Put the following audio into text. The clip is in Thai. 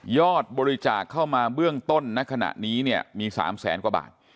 บริจาคเข้ามาเบื้องต้นณขณะนี้เนี่ยมี๓แสนกว่าบาท